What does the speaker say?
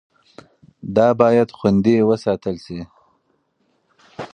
دا باید خوندي وساتل شي.